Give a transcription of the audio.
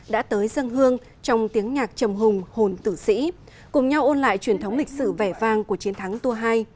đã tới dân hương trong tiếng nhạc trầm hùng hồn tử sĩ cùng nhau ôn lại truyền thống lịch sử vẻ vang của chiến thắng tua hai